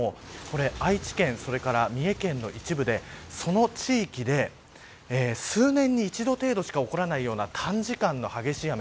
愛知県、それから三重県の一部でその地域で数年に一度程度しか起こらないような短時間の激しい雨。